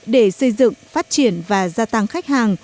để xây dựng phát triển và gia tăng khách hàng